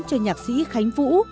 cho nhạc sĩ khánh vũ